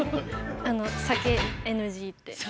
あの酒ＮＧって。